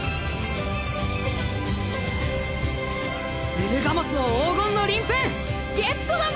ウルガモスの黄金の鱗粉ゲットだぜ！